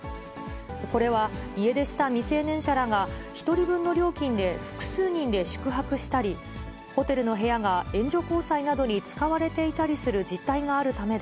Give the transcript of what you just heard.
これは家出した未成年者らが、１人分の料金で複数人で宿泊したり、ホテルの部屋が援助交際などに使われていたりする実態があるため